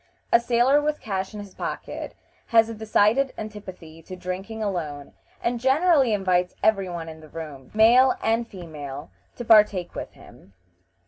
A sailor with cash in his pocket has a decided antipathy to drinking alone, and generally invites every one in the room, male and female, to partake with him.